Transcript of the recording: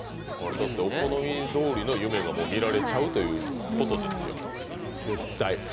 お好みどおりの夢が見られちゃうってことですよ、絶対。